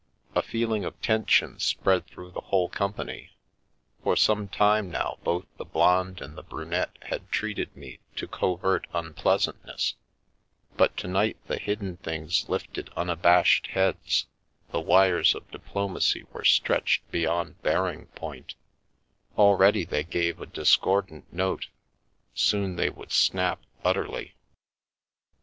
A feeling of tension spread through the whole company; for some time now both the Blonde and the Brunette had treated me to covert unpleasantness, but to night the hidden things lifted un abashed heads, the wires of diplomacy were stretched beyond bearing point, already they gave a discordant note, soon they would snap utterly.